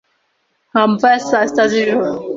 Nka mva ya saa sita z'ijoro ...